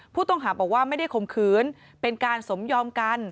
ผู้ต้องหาบอกว่าไม่ได้ข่มขืนเป็นการสมยอมกัน